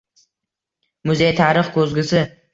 Muzey − tarix koʻzgusi